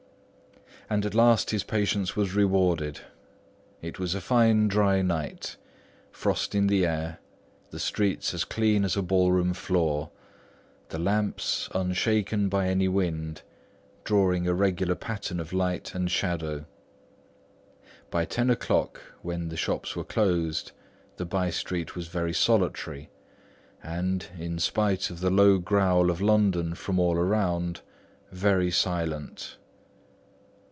And at last his patience was rewarded. It was a fine dry night; frost in the air; the streets as clean as a ballroom floor; the lamps, unshaken by any wind, drawing a regular pattern of light and shadow. By ten o'clock, when the shops were closed, the by street was very solitary and, in spite of the low growl of London from all round, very silent.